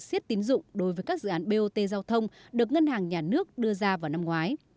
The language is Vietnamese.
xiết tín dụng đối với các dự án bot giao thông được ngân hàng nhà nước đưa ra vào năm ngoái